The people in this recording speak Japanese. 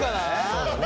そうだね？